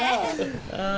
ああ。